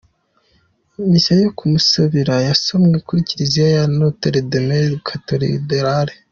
Misa yo kumusabira yasomewe ku kiliziya ya Notre Dame Cathedral.